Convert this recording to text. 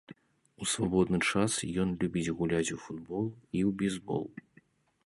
У свабодны час ён любіць гуляць у футбол і бейсбол.